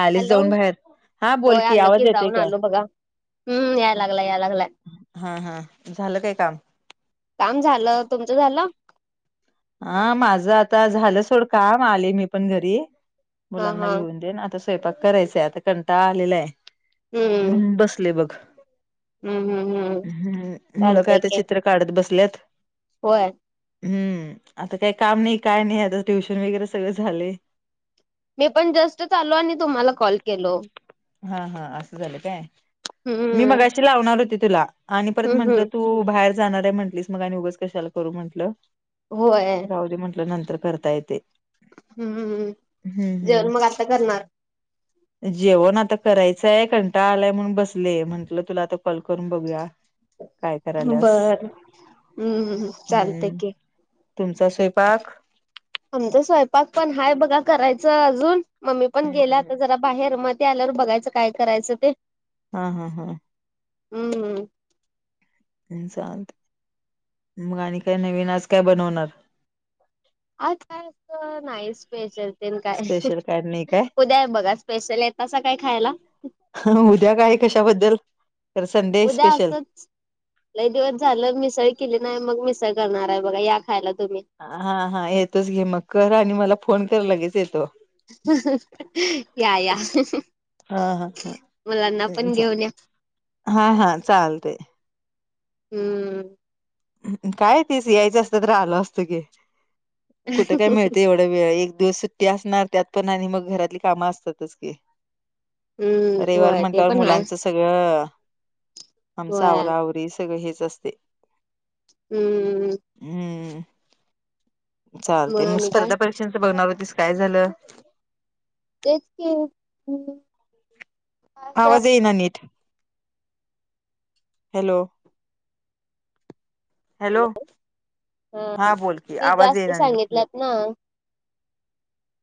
चालीस हॅलो जाऊन बाहेर हा होय बोलकीी आलो की आवाज येतेय जाऊन काय आलो बघा हम्म याय लागलाय याय लागलाय हा हा झालं काय काम काम झालं तुमचं झालं हा माझ आता झालं सोड काम आले मी पण घरी हा मुलांना हा घेऊन देन आता स्वयंपाक करायचाय आता कंटाळ आलेलाय हम्म म्ह बसले बघ हम्म हम्म हम्म हम्म मुलं काय चालतय आता की चित्र काढत बसल्यात होय हम्म आता काही काम नाही काय नाही आता ट्युशन वगैरे सगळें झाले मी पण जस्टच चालो आणि तुम्हाला कॉल केलो हा हा असं झालं काय हम्म मी मगाशी लावणार होती तुला आणि परत हम्म म्हटलं हम्म तू बाहेर जाणार आहे म्हटलीस मग आणि उगच कशाला करू म्हटलं होय राहली म्हटलं नंतर करता येत ते हम्म जेवण मग आता करणार जेवण आता करायचंय कंटा आलाय म्हणून बसले म्हंटलं तुला आता कॉल करून बघूया काय करायलस बर हम्म चालतय हम्म की तुमचा स्वयंपाक आमच स्वयंपाक पण हाय बघा करायचं अजून. मम्मी पण हम्म गेलं हम्म आता हम्म. जरा- बाहेर. म ते आल्यावर बघायचं काय करायचं ते? हा हा हा. हम्म. हं. चालते. मग आणि काय नवीन? आज काय बनवणार? आज काय अस नाही स्पेशल. काय. स्पेशल काय नाही काय उद्या आहे बघा स्पेशल. येतासा काय खायला? ह उद्या काय कशाबद्दल? तर संडे उद्या स्पेशल असंच. लई दिवस झाले मिसळ केली नाही. मग मिसळ करणार आहे बघा. या खायला तुम्ही. हा हा. येतेच की मग. कर आणि मला फोन कर लगेच येतो. या या. हा हा ह. मुलांना पण ते घेऊन या. हा हा. चालते. हम्म. काय तेच यायचं असतं तर आलो असतो की. कुठं काय मिळत एवढं? एक वेळ. एक दिवस सुट्टी असणार त्यात पण आणि मग घरातली कामं असतातच की. हम्म रविवार होय ते म्हटल्यावर पण हाय मुलांच- सगळं. आमचं होय आवरा आवरी सगळं हेच असते. हम्म. हम्म. चालतय. मग आणि काय स्पर्धा परीक्षानच बघणार होतीस काय झालं? तेच की - आवाज येईना नीट. हॅलो. हॅलो. हा बोलकी. फी आवाज जास्त येइना तुझ- [unintelligible]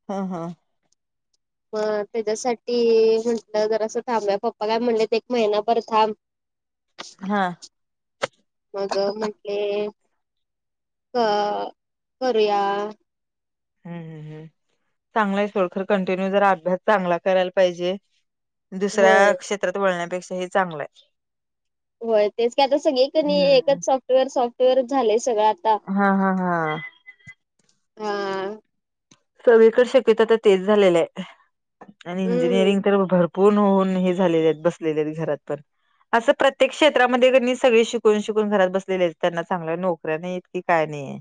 हं. हं. होय. त्याच्यासाठी म्हंटलं जरास थांबू या पप्पाना काय म्हटलं एक महिनाभर थांब. हा. मग म्हटले- क करूया. हम् हम् हम्. चांगलं आहे [unintelligible] खर कंटिन्यू जरा अभ्यास चांगला करायला पाहिजे. होय दुसऱ्या क्षेत्रात वळण्यापेक्षा हे चांगलंय. व्हय. तेच की आता सगळीकनी हम्म एकच सॉफ्टवेअर. सॉफ्टवेअरच झालेय सगळं- हां. हां. हां. हा. सगळीकडे शक्यतो आता तेच झालेलं आहे. आणि हम्म इंजिनिअरिंग कडे भरपूर- पूर्ण होऊन हे झालेले आहेत. बसलेले आहेत घरात पण. असं प्रत्येक क्षेत्रामध्ये कनी सगळे शिकून शिकून घरात बसलेले आहेत. त्यांना चांगल्या नोकऱ्या नाहीेत की काय नाहीये.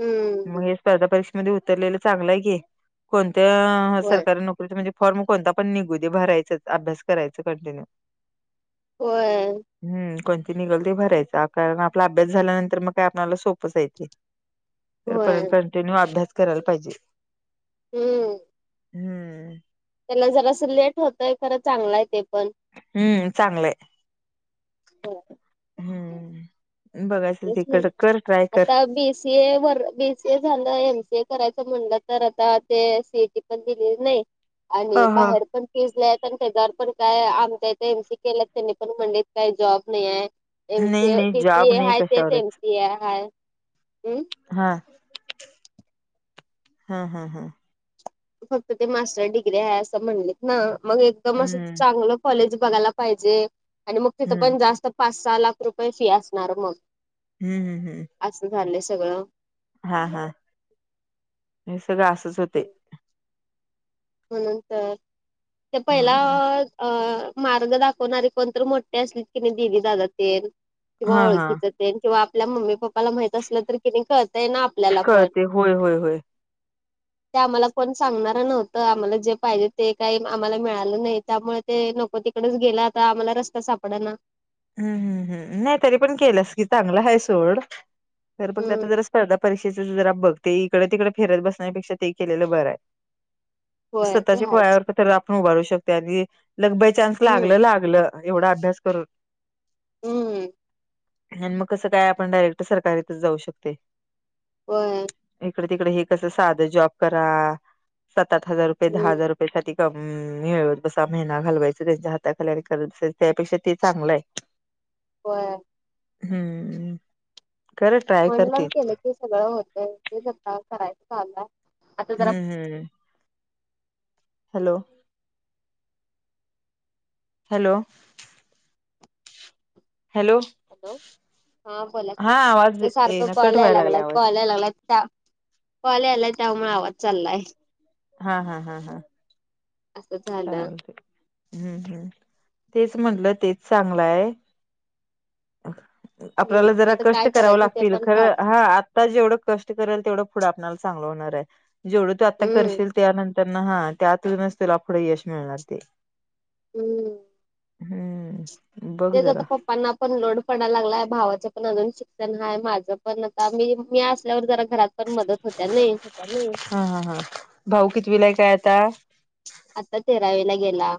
हम्म मग हे स्पर्धा परीक्षेमध्ये उतरलेलं चांगलं आहे की. कोणत्या- होय. सरकारी नोकरी. म्हणजे फॉर्म कोणता पण निघू दे भरायचाच अभ्यास करायचा कंटिन्यू. होय. हम्. कोणती निघल ते भरायच. कारण आपला अभ्यास झाल्यानंतर मग काय आपल्याला सोपंच आहे ते. हो होय पण कंटिन्यू अभ्यास करायला पाहिजे. ह. हम्म. त्याला जरा अस लेट होतय. खरं चांगलाय ते पण. हम्म चांगलंय. हो. बघायच [unintelligible] कर ट्राय कर. सी ए वर बी सी ए झालं. एम सी ए करायचं म्हणलं तर आता ते सी ए टी पण दिलेली नाही. आणि ह ह बाहेर पण फीज लय हायत. पण त्याच्यावर पण काय आम इथ एमसी के केला त्यांनी पण म्हंलीत काही जॉब नाही आहे. एम नाही सी ए नाही जॉब पीसीए नाही हा तेच एम कशावरच सीए हाया. हा हा हा हा. फक्त ते मास्टर डिग्री आहे असं म्हणलेत ना मग एकदम असं हम्म चांगलं कॉलेज बघायला पाहिजे आणि मग तिथं हम्म पण जास्त पाच सहा लाख रुपये फी असणार मग. हम् हम्म हम्. असं झालंय सगळं. हा हा हे सगळं असच होते म्हणंत त्या पहिला हम्म. अ मार्ग दाखवणारे कोणतरी मोठे असले की नाही दिदी दादाात किंवा हा हा ओळखीच किंवा आपल्या मम्मी पप्पाला माहित असलं तर कि नाही कळतय ना आपल्याला पण कळते होय होय होय ते आम्हाला पण सांगणार नव्हत आम्हाला जे पाहिजे ते काही आम्हाला मिळालं नाही त्यामुळे ते नको तिकडेच गेलं आता आम्हाला रस्ते सापड ना. हम् हम्म हम् नाही तरी पण केलंस कि चांगलं हाय सोड. तर बघत आता हम्म जरा स्पर्धा परीक्षेच जरा बघते इकडे तिकडे फेरत बसण्यापेक्षा ते केलेलं बरं आहे. होय ते स्वतःच्या हायच पाया वरती त्याला आपण उभारू शकते आणि लग बाय चान्स हम्म लागलं लागलं. एवढा अभ्यास करून. हम्म. आणि मग कसं काय आपण डायरेक्ट सरकारीतच जाऊ शकतोय. होय. इकडे तिकडे हे कस साध जॉब करा सात आठ हजार रुपये हम्म दहा हजार रुपये े मिळवत बसा महीना घालवायच त्यांच्या हाताखाली आणि करत बसायचं त्यापेक्षा ते चांगलं आहे. होय. हम्म. खरं ट्राय म्हणलावून करतील केलं की सगळं होतं तेच आता करायचं चाल्याय. हम्म हम् हम. हॅलो. हॅलो. हॅलो. हॅलो हा बोला हा आवाज ते सारखं येईना कट कॉल याय व्हायला लागलाय आवाज कॉलय लागलाय. का कॉल यालाय त्यामुळे आवाज चाललाय. हा हा हा हा. असं झालं चालतय. हम्म हम् तेच म्हटलं तेच चांगलंय हम्म आपल्याला मग जरा आता कष्ट काय करावं करायचं ते लागतील पण कळ खरं हा आता जेवढं कष्ट करेल तेवढं पुढं आपल्याला चांगलं होणार आहे जेवढं तू आता हम्म करशील त्यानंतर ना हा त्यातूनच त्याला पुढे यश मिळणार ते. हम्म. हम्म. बघ ते जरा जसं पपांना पण लोड पणा लागला आहे भावाच पण अजून शिक्षण आहे माझं पण आता मी मी असल्यावर जरा घरात पण मदत होत्या नाही. ॅ हा हा हा भाऊ कितीवीलाय काय आता. आता तेरावेला गेला.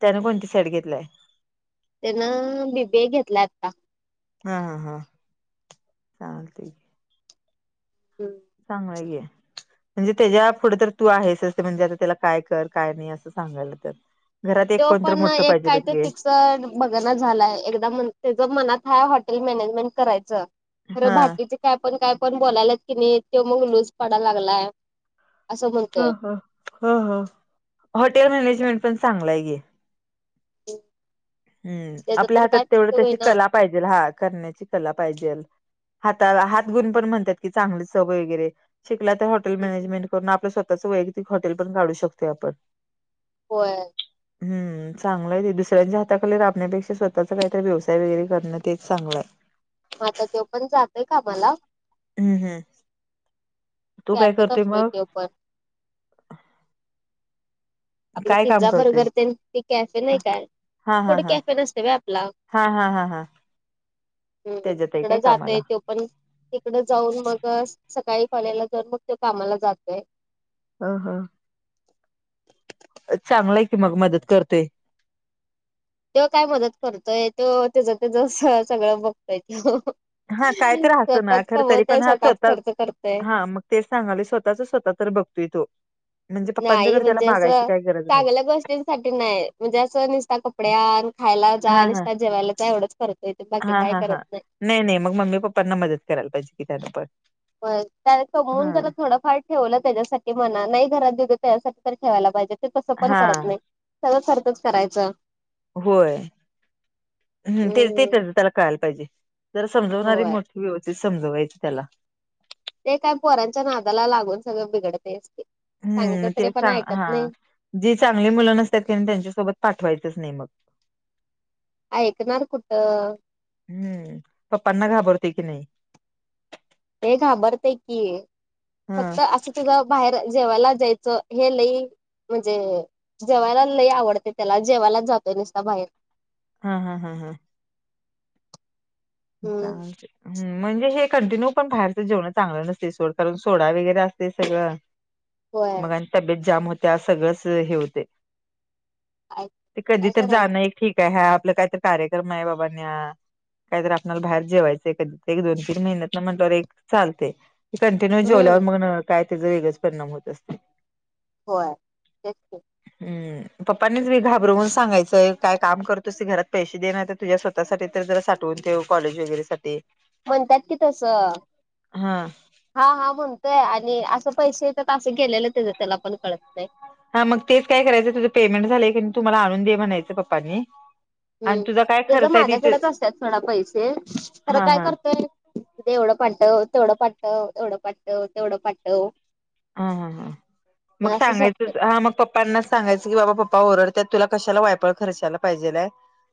त्याने कोणती साईड घेतलाय? त्यान बी, बी, ए घेतला आता. हा, हा, हा, चालतयऽ हम्, चांगलंय की. म्हणजे त्याच्या पुढं तर तू आहेसच. म्हणजे आता त्याला काय कर काय नाही. अस सांगायला तर घरात एक कोण तर मोठं पाहिजेलच की. च बघणा झालाय. एकदा त्याच मनात हाय हॉटेल मॅनेजमेंट करायच. खरं हा. बाकीचे काय पण काय पण बोलायलात की नाही, तो मग लूज पडा लागलाय. असं ह म्हणतोय. ह ह ह हॉटेल मॅनेजमेंट पण चांगला आहे की. [inaudible] हम्म त्याच आपल्या पण हातात काय तेवढ फिक्स त्याची होईना कला पाहिजे. हा करण्याची कला पाहिजेल. हाताला हात गुण पण म्हणतात की चांगली चव वगैरे. शिकला त्या हॉटेल मॅनेजमेंट करून आपलं स्वतःचं वैयक्तिक हॉटेल पण काढू शकतोय आपण. होय. हम्म चांगल आहे ते दुसऱ्यांच्या हात त्या खाली राबन्यापेक्षा स्वतःचा काहीतरी व्यवसाय वैगरे करण तेच चांगलय. आता तो पण जातोय कामाला. हम्म हम्म तू काय कॅफेेत करतोय आसतोय मग तो पण. आपलं काय काम पिझ्झा करतोय? बर्गर तेन ते कॅफे नाही हा काय. हा हा फुड हा कॅफे नसतय वय आपला. हा हा हा हा. हम्म त्याच्यात आहे तिकड काय कामाला जातोय तो पण, तिकड जाऊन मगच सकाळी कॉलेजला जाउन मग तो कामाला जातोय. ह ह चांगल आहे की मग, मदत करतोय. तो काय मदत करतोय. तो त्याच त्याच सगळं बघतोय तो. हा काही तरी आस ना, स्वतःच खर तरी कमवतय पण हा स्वतःच स्वतः खर्च करतय हा मग तेच सांगालोय, स्वतःच स्वतः तर बघतोय तो. म्हणजे नाही पप्पांच्याकडे त्याला म्हणजे अस मागायची काही गरज नाही चांगल्या गोष्टींसाठी नाही म्हणजे असं नुसता कपडे आण. खायला जा. हा हा नुसता जेवायला जा. एवढच करत. ते बाकी हा काय हा करत हा नाही. नाही नाही मग मम्मी पप्पांना मदत करायला पाहिजे की त्याने पण. व्हय त्याने कमवुन हा जरा थोडफार ठेवल त्याच्यासाठी म्हणा. नाही घरात दिल त्याच्यासाठी तर ठेवायला पाहिजे. ते तस पण हा करत नाही. सगळ खर्चच करायच. होय. हम्म ते ते त्याच त्याला कळायला पाहिजे. जरा समजवणारी होय. मोठी व्यवस्थित समजवायची त्याला. ते काय पोरांच्या नादाला लागून सगळं बिघडतयच ते. सांगितलं हम्म तरी तेच पण चांग हा ऐकत नाही जी चांगली मुलं नसतात की नाही. त्यांच्यासोबत पाठवायचंच नाही मग. ऐकणार कुठ. हम्म पप्पांना घाबरते की नाही? ते घाबरतय की, हा फक्त असं तुझ बाहेर जेवायला जायच हे लई म्हणजे जेवायला लई आवडतय त्याला. जेवायलाच जातो नुसता बाहेर. हा हा हा हा हम्म चालतय ह म्हणजे हे कंटिन्यू पण बाहेरच जेवणं चांगल नसतय सोड. कारण सोडा वगैरे असतय सगळ. [inaudible] मग आणि तब्येत जाम होत्या. सगळंच हे होते. काय ते कधी काय तर जाणं करायचं एक ठीक आहे. हा आपल काहीतरी कार्यक्रम आहे बाबा न्या. काहीतरी आपल्याला बाहेर जेवायचं आहे कधी एक दोन तीन महिन्यातन म्हटल्यावर एक चालतय. कंटिन्यू हम्म जेवल्यावर मग काय त्याचा वेगळच परिणाम होत असते. होय तेच हम्म पप्पांनीच मी घाबरवून सांगायचंय काय काम करतो त ते घरात पैसे देणार तर तुझ्या स्वतःसाठी तर ज ठेव कॉलेज वगैरे सा म्हणतात कि तस‌ हा हा हा म्हणतोय आणि असं पैसे येतात असं गेलेले त्याच त्याला पण कळत नाही. हा मग तेच काय करायचं तुझं पेमेंट झाय की तुम्हाला आणून दे म्हणायचं पप्पानी. हम् ते जर माझ्याकडेच असतात थोडा पैसे तर हा काय हा करतेय. एवढं पाटव तेवढं पाटव एवढं पाटव तेवढं पाटव. हा हा हां मग झोपतात सांगायचंच हा मग प् पना सांगायचं की, बाबा पप्पा ओरडतत्यात तुला कशाला वायपळ खर्चायला पाहिजेल आय.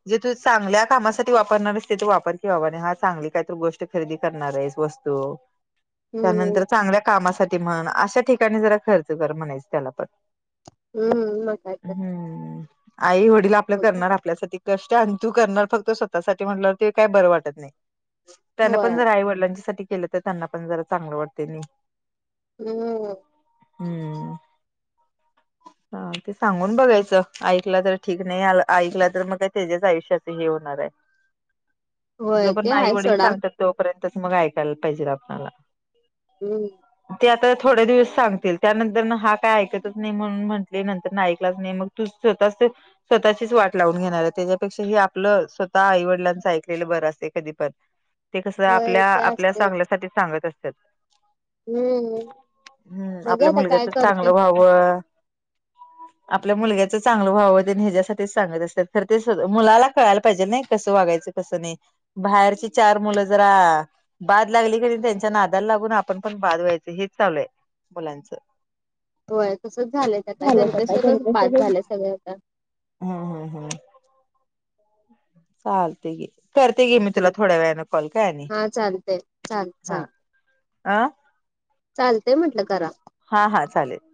जे तू चांगल्या कामासाठी वापरणारस तेतु तू वापर कि बाबा, आणि हा चांगली काही तर गोष्ट. खरेदी करणार आहेस वस्तू हम्म त्यानंतर चांगल्या कामासाठी म्हण. अशा ठिकाणी जरा खर्च कर म्हणायच त्याला पण. हम्म मग काय तर हम्म, आई वडील आपलं बघूया. करणार. आपल्यासाठी कष्ट अंतू करणार फक्त स्वतःसाठी म्हटलं ते काय बरं वाटत नाही. त्यांना होय पण जरा आई वडिलांच्या सा केलं तर त्यांना पण जरा चांगलं वाटते नाही. हो. हम्म. [inaudible] ह ते सांगून बघायचं ऐकलं तर ठीक नाही ऐकला तर मग का त्याच्याच आयुष्याच हे होणार आहे. होय ते जोपर्यंत आई आहे वडील सोडा. सांगतात तोपर्यंतच मग ऐकायला पाहिजे आपल्याला. हम्म. त्या. थोड्या दिवस सांगतील त्यानंतर हा काय ऐकतच नाही म्हणून म्हटले नंतर ना ऐकलाच नाही मग तू स्वतः. स्वतःचीच वाट लावून घेणार आहे त्याच्यापेक्षा ह आपलं स्वतः आईवडिलांचं ऐकलेलं बर असते कधीपण. [inaudible] ते कस होय आपल्या ते आपल्या असतेच चांगल्यासाठी सांगत असतात. हम्म हम्म बघू आपल्या आता काय मुलग्याचं करतोय चांगलं व्हावं. [inaudible] आपल्या मुलग्याचं चांगल भाव देन ह्याच्यासाठीच सांगत असतात खर ते मुला कळायला पाहिजे नाही कसं वागायचं. कस नाही. बाहेरची चार मुलं जरा बाद लागली करी त्यांच्या नादाला लागून आपण पण बाद व्हायच. हे चालू आहे मुलांचं. होय तसंच झालंय आता झालं काका जनरेशनच बाद झालंय सगळ आता. हम हम हम. चालतय की. करते गे मी तुला हम्म. थोड्या वेळनें कॉल काय हा चालतय चाल हा अ. चालतंय म्हटलं करा. हा हा चालेल.